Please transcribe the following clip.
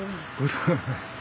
踊らない。